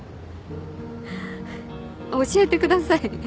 教えてください。